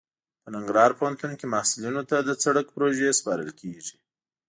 په ننګرهار پوهنتون کې محصلینو ته د سرک پروژې سپارل کیږي